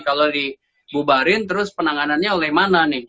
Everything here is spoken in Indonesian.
kalau dibubarin terus penanganannya oleh mana nih